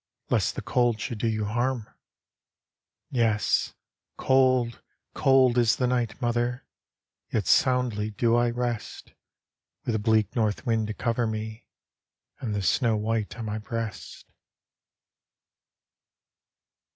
Lest the cold should do you harm." "Ye^, cold, cold is the night, mother, Yet soundly do I rest, With the bleak North wind to cover me, And the snow white on my breast.'